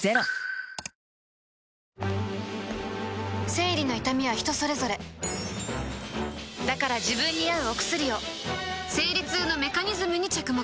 生理の痛みは人それぞれだから自分に合うお薬を生理痛のメカニズムに着目